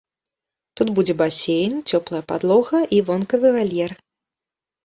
Тут будзе басейн, цёплая падлога і вонкавы вальер.